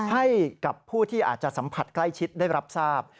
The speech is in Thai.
ให้กับผู้ที่อาจจะสัมผัสใกล้ชิดได้รับทราบ